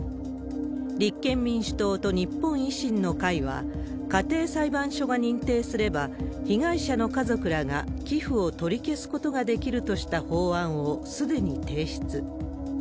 立憲民主党と日本維新の会は、家庭裁判所が認定すれば、被害者の家族らが寄付を取り消すことができるとした法案を、すでに提出。